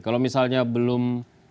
kalau misalnya belum